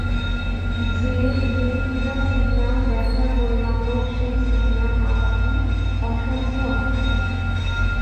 যে-ইলেকট্রিক্যাল signal ব্যথার পরিমাপক সেই সিগন্যাল মাপা কি অসম্ভব?